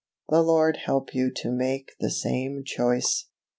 The Lord help you to make the same choice!